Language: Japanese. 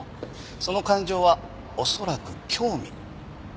その感情は恐らく興味。